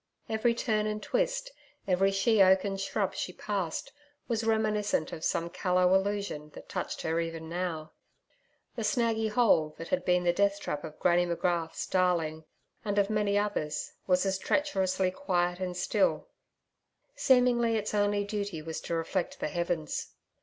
Every turn and twist, every she oak and shrub she passed, was reminiscent of some callow illusion that touched her even now. The 'snaggy hole' that had been the death trap of Granny Magrath's darling and of many others, was as treacherously quiet and still; seemingly its only duty was to reflect the heavens.